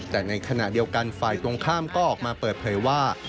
แต่ในขณะเดียวกันฝ่ายตรงข้ามก็ออกมาเปิดเผยว่า